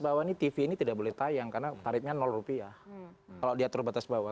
bahwa ini tv ini tidak boleh tayang karena tarifnya rupiah kalau dia terbatas bawah